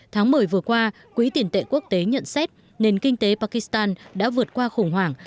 tháng một mươi vừa qua quỹ tiền tệ quốc tế nhận xét nền kinh tế pakistan đã vượt qua khủng hoảng